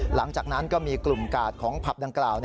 หลังจากนั้นก็มีกลุ่มกาดของผับดังกล่าว